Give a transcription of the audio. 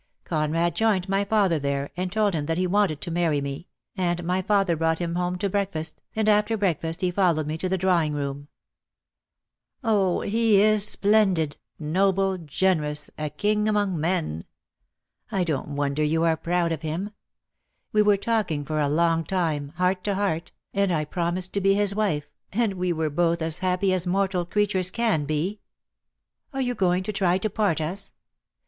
Conrad joined my father there, and told him that he wanted to marry me, and my father brought him home to breakfast, and after breakfast he followed me to the drawing room. Oh, he is splendid, noble, generous, a king among men! I DEAD LOVE HAS CHAINS. I 75 don't wonder you are proud of him. We were talk ing for a long time, heart to heart, and I promised to be his wife, and we were both as happy as mortal creatures can be. Are you going to try to part us?